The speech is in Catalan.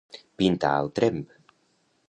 Pintar al tremp.